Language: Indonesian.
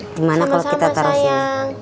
di mana kalau kita taruh di sini